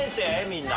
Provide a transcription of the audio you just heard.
みんな。